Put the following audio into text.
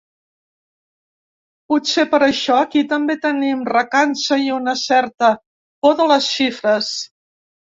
Potser per això aquí també tenim recança i una certa por de les xifres.